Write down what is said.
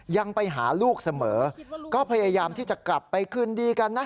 ยังไปหาลูกเสมอก็พยายามที่จะกลับไปคืนดีกันนะ